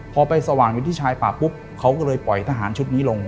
พอไปสว่างอยู่ที่ชายป่าปุ๊บเขาก็เลยปล่อยทหารชุดนี้ลง